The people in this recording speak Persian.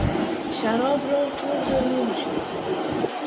شراب را خورد و لول شد.